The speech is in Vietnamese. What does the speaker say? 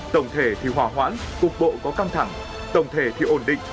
tổng thể thì hòa hoãn cục bộ có căng thẳng tổng thể thì ổn định